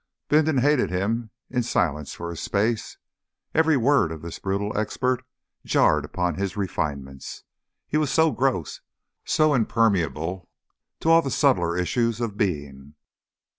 Bindon hated him in silence for a space. Every word of this brutal expert jarred upon his refinements. He was so gross, so impermeable to all the subtler issues of being.